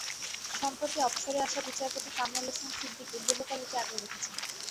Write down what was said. সম্প্রতি অবসরে আসা বিচারপতি কামরুল ইসলাম সিদ্দিকী বহুকাল এটি আগলে রেখেছেন।